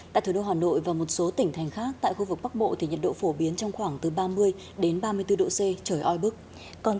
tại thủ đô hà nội và một số tỉnh thành khác tại khu vực bắc bộ thì nhiệt độ phổ biến trong khoảng từ ba mươi đến ba mươi bốn độ c trời oi bức